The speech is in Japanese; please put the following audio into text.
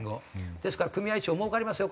ですから組合長儲かりますよ